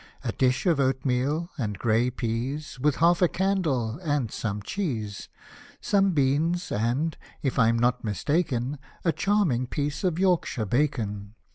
A dish of oat meal, and grey peas, With half a candle and some cheese ; Some beans, and, if I'm not mistaken, A charming piece of Yorkshire bacon.